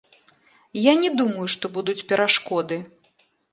Я не думаю, што будуць перашкоды.